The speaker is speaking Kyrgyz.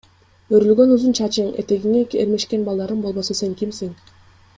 Өрүлгөн узун чачың, этегиңе эрмешкен балдарың болбосо сен кимсиң?